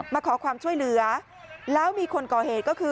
มาขอความช่วยเหลือแล้วมีคนก่อเหตุก็คือ